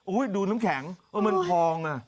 อุ๊ยดูน้ำแข็งมันพอง